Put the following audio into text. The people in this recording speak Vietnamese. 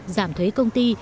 giảm thuế công ty